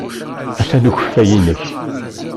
Atan ukeffay-nnek.